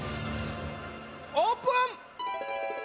オープン！